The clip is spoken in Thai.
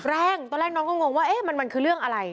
ตอนแรกน้องก็งงว่ามันคือเรื่องอะไร